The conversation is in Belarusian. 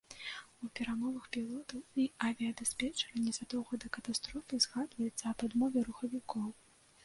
У перамовах пілотаў і авіядыспетчара незадоўга да катастрофы згадваецца аб адмове рухавікоў.